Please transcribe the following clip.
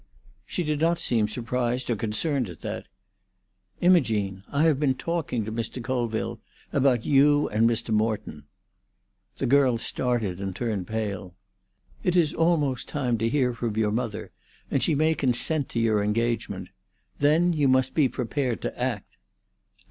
She did not seem surprised or concerned at that. "Imogene, I have been talking to Mr. Colville about you and Mr. Morton." The girl started and turned pale. "It is almost time to hear from your mother, and she may consent to your engagement. Then you must be prepared to act."